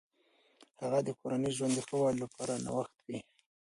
هغه د کورني ژوند د ښه والي لپاره نوښت کوي.